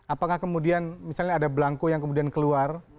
apakah kemudian misalnya ada belangko yang kemudian keluar